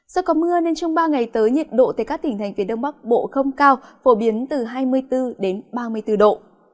do có mưa nên trong ba ngày tới nhiệt độ tại các tỉnh thành phía đông bắc bộ không cao phổ biến từ hai mươi bốn đến ba mươi bốn độ